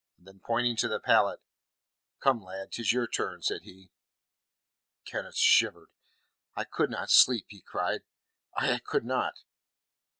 Then pointing to the pallet: "Come, lad, 'tis your turn," said he. Kenneth shivered. "I could not sleep," he cried. "I could not."